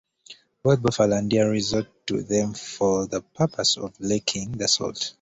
Both buffalo and deer resort to them for the purpose of licking the salt.